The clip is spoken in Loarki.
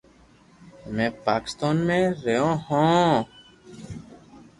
ھمي پاڪستان مي رھيو ھون